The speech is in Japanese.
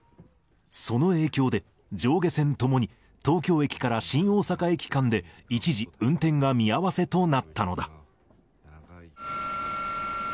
その影響で、上下線ともに東京駅から新大阪駅間で、一時、運転が見合わせとなったのだ。